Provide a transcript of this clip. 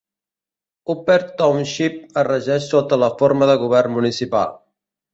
Upper Township es regeix sota la forma de govern municipal.